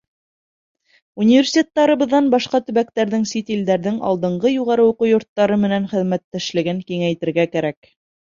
Университеттарыбыҙҙың башҡа төбәктәрҙең, сит илдәрҙең алдынғы юғары уҡыу йорттары менән хеҙмәттәшлеген киңәйтергә кәрәк.